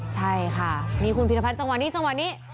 ใช่ค่ะนี่คุณพิรพัฒนจังหวะนี้จังหวะนี้